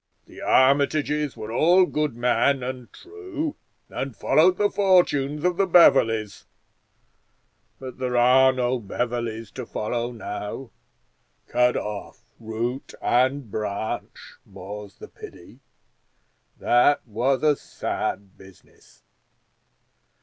The Armitages were all good men and true, and followed the fortunes of the Beverleys; but there are no Beverleys to follow now. Cut off root and branch more's the pity. That was a sad business.